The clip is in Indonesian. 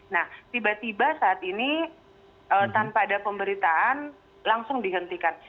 nah tiba tiba saat ini tanpa ada pemberitaan langsung dihentikan